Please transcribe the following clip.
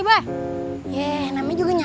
jalan jalan udah lo ikut aja